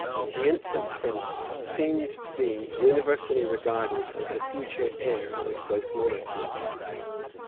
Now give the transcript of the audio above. The infant prince seemed to be universally regarded as the future heir of both monarchies.